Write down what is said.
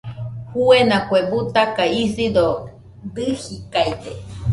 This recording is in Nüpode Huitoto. Fuena kue butaka , isido dɨjikaide.